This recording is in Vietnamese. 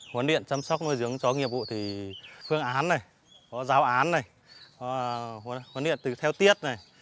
huấn luyện chăm sóc nuôi dưỡng chó nghiệp vụ thì phương án này có giao án này huấn luyện theo tiết này